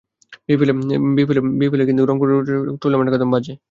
বিপিএলে ফিরে এসেছিলেন, কিন্তু রংপুর রাইডার্সের হয়ে টুর্নামেন্টটা কাটল একদম বাজে।